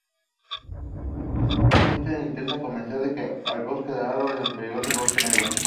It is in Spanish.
Éste la intenta convencer de que bosque un árbol en el peligroso bosque negro.